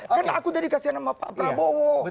kan aku jadi kasihan sama pak prabowo